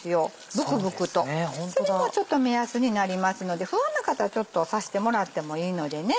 ブクブクとそれもちょっと目安になりますので不安な方はちょっと刺してもらってもいいのでね。